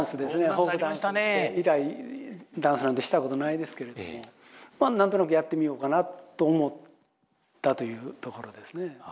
フォークダンスして以来ダンスなんてしたことないですけれども何となくやってみようかなと思ったというところですね。